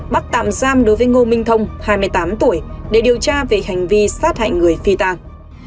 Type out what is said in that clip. bắt tạm giam đối với ngô minh thông hai mươi tám tuổi để điều tra về hành vi sát hại người phi tàng